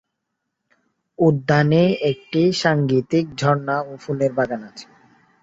উদ্যানে একটি সাঙ্গীতিক ঝরনা ও ফুলের বাগান আছে।